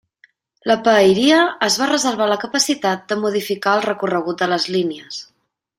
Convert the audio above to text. La Paeria es va reservar la capacitat de modificar el recorregut de les línies.